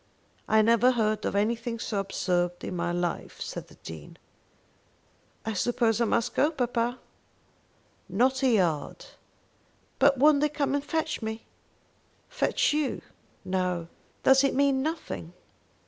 "I never heard of anything so absurd in my life," said the Dean. "I suppose I must go, papa?" "Not a yard." "But won't they come and fetch me?" "Fetch you? No." "Does it mean nothing."